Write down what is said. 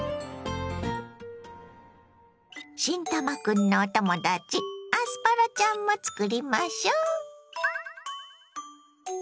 新たまクンのお友だちアスパラちゃんも作りましょ。